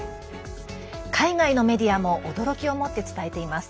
海外のメディアも驚きをもって伝えています。